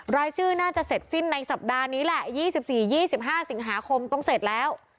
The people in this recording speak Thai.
รายชื่อน่าจะเสร็จสิ้นในสัปดาห์นี้แหละ๒๔๒๕สิงหาคมต้องเสร็จแล้ว